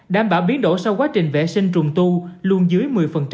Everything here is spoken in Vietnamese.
đảm bảo biến đổ sau quá trình vệ sinh trùng tu luôn dưới một mươi